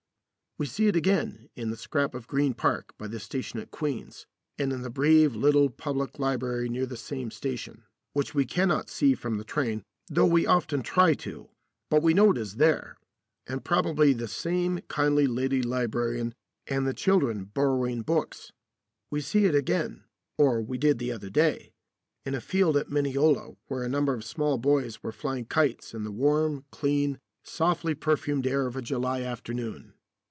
We see it again in the scrap of green park by the station at Queens, and in the brave little public library near the same station which we cannot see from the train, though we often try to; but we know it is there, and probably the same kindly lady librarian and the children borrowing books. We see it again or we did the other day in a field at Mineola where a number of small boys were flying kites in the warm, clean, softly perfumed air of a July afternoon.